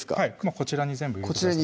こちらに全部入れてください